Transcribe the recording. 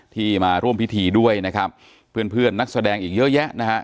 ที่มาร่วมพิธีด้วยนะครับเพื่อนเพื่อนนักแสดงอีกเยอะแยะนะฮะ